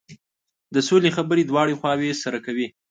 د سولې خبرې دواړه خواوې سره کوي.